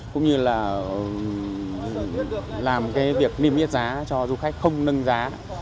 cũng như là làm cái việc niêm yết giá cho du khách không nâng giá